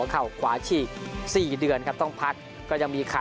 เข่าขวาฉีก๔เดือนครับต้องพักก็ยังมีขา